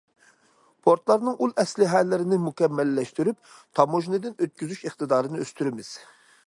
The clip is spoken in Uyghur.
پورتلارنىڭ ئۇل ئەسلىھەلىرىنى مۇكەممەللەشتۈرۈپ، تاموژنىدىن ئۆتكۈزۈش ئىقتىدارىنى ئۆستۈرىمىز.